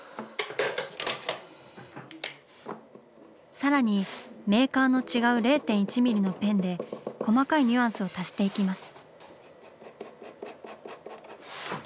さらにメーカーの違う０．１ミリのペンで細かいニュアンスを足していきます。